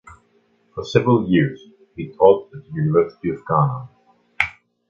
For several years he taught at the University of Ghana.